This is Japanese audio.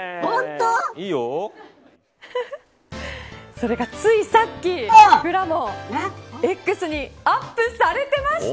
それが、ついさっきＸにアップされてました。